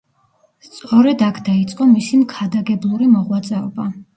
სწორედ აქ დაიწყო მისი მქადაგებლური მოღვაწეობა.